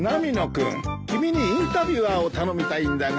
君君にインタビュアーを頼みたいんだが。